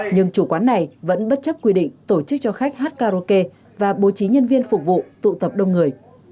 nhưng chủ quán này vẫn bất chấp quy định tổ chức cho khách hát karaoke và bố trí nhân viên phục vụ tụ tập đông người